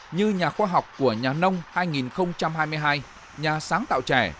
như nhà khoa học của nhà nông hai nghìn hai mươi hai nhà sáng tạo trẻ